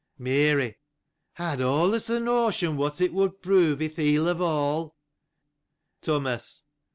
Mary. — I had always a notion what it would prove at the end of all. Thomas.